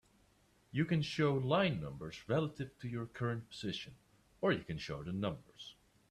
You can show line numbers relative to your current position, or you can show the numbers.